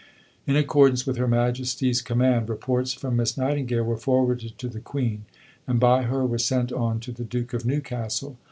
In accordance with Her Majesty's command, reports from Miss Nightingale were forwarded to the Queen, and by her were sent on to the Duke of Newcastle.